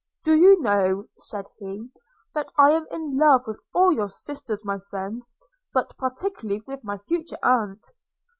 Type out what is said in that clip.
– 'Do you know,' said he, 'that I am in love with all your sisters, my friend? but particularly with my future aunt?